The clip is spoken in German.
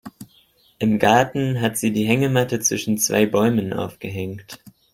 Im Garten hat sie die Hängematte zwischen zwei Bäumen aufgehängt.